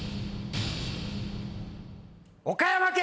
岡山県！